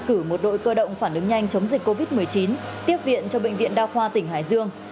cử một đội cơ động phản ứng nhanh chống dịch covid một mươi chín tiếp viện cho bệnh viện đa khoa tỉnh hải dương